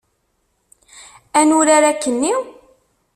Ad nurar akkenni?